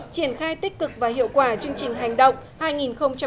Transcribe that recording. triển khai tích cực và hiệu quả chương trình hành động hai nghìn một mươi bảy hai nghìn hai mươi